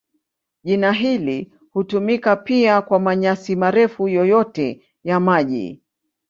Jina hili hutumika pia kwa manyasi marefu yoyote ya maji.